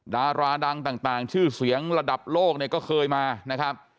ดาราดังต่างชื่อเสียงระดับโลกเนี่ยก็เคยมานะครับ